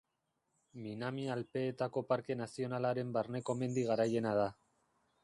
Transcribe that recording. Minami Alpeetako Parke Nazionalaren barneko mendi garaiena da.